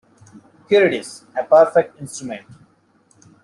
Here it is, a perfect instrument!